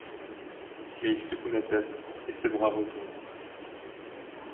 Mais il secoue la tête, et ses bras retombent.